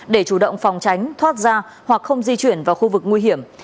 để chủ động phòng tránh thoát ra hoặc không di chuyển vào khu vực nguy hiểm